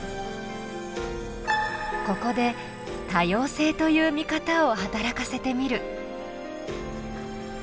ここで多様性という見方を働かせてみる。